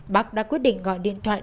bác đã quyết định gọi điện thoại